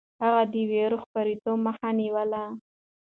هغه د وېرو خپرېدو مخه نيوله.